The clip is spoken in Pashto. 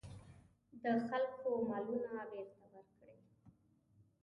د خلکو مالونه بېرته ورکړي.